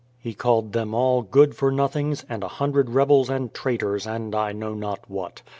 He called them all good for nothings, and a hundred rebels and traitors, and I know not what.